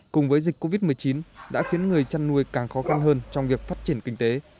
cùng với dịch covid một mươi chín đã khiến người chăn nuôi càng khó khăn hơn trong việc phát triển kinh tế